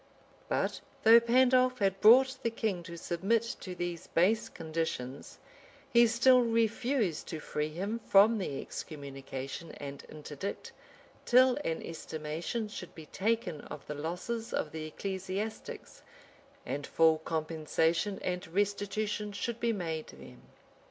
But though Pandolf had brought the king to submit to these base conditions, he still refused to free him from the excommunication and interdict, till an estimation should be taken of the losses of the ecclesiastics, and full compensation and restitution should be made them.